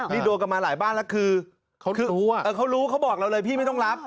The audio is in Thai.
นี่โดนกันมาหลายบ้านแล้วคือเขารู้เขาบอกเราเลยพี่ไม่ต้องรับ